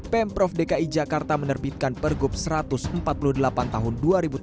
pemprov dki jakarta menerbitkan pergub satu ratus empat puluh delapan tahun dua ribu tujuh belas